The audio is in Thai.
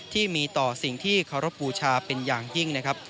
ที่มีต่อสิ่งที่เคารพบูชาเป็นอย่างยิ่งนะครับ